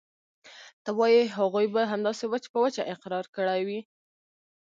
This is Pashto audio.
ته وايې هغوى به همداسې وچ په وچه اقرار کړى وي.